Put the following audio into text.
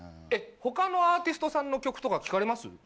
他のアーティストさんの曲とか聴かれます？